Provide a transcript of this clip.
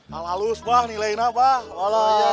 hal halus pak nilainya apa